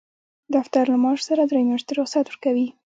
دفتر له معاش سره درې میاشتې رخصت ورکوي.